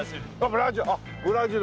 ブラジル。